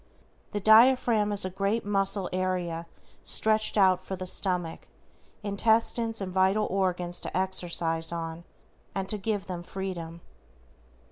The DIAPHRAGM is a great muscle area stretched out for the stomach, intestines and vital organs to exercise on, and to give them freedom.